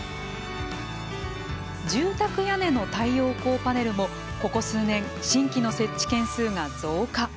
住宅屋根の太陽光パネルもここ数年新規の設置件数が増加。